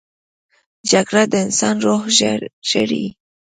جګړه د انسان روح ژاړي